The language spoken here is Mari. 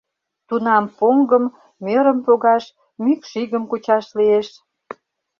Тунам поҥгым, мӧрым погаш, мӱкш игым кучаш лиеш.